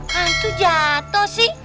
kan tuh jatoh sih